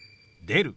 「出る」。